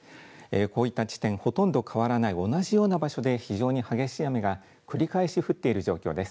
こういった地点、ほとんど変わらない同じような場所で非常に激しい雨が繰り返し降っている状況です。